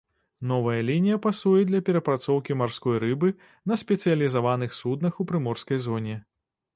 Новая лінія пасуе для перапрацоўкі марской рыбы на спецыялізаваных суднах у прыморскай зоне.